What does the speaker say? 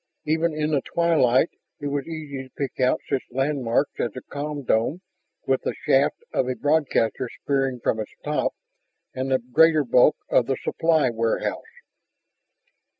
Even in the twilight it was easy to pick out such landmarks as the com dome with the shaft of a broadcaster spearing from its top and the greater bulk of the supply warehouse.